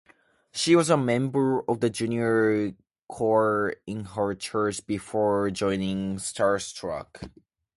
She was a member of the junior choir in her church before joining "StarStruck".